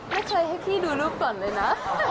ไม่เคยให้พี่ดูรูปเกินเลยนะ